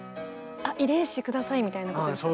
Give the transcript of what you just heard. あ遺伝子下さいみたいなことですか？